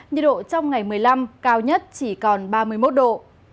nhiệt độ trong ngày một mươi năm cao nhất chỉ còn ba mươi một độ